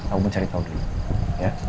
aku mau cari tahu dulu ya